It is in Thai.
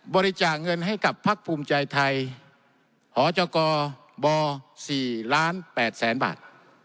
บริจาคเงินให้กับพักภูมิใจไทยหจบ๔๘๐๐๐๐๐บาท